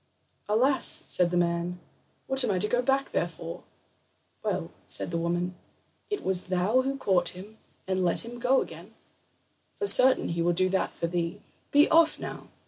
"Alas," said the man, "what am I to go back there for?" "Well," said the woman, "it was thou who caught him and let him go again; for certain he will do that for thee. Be off now!"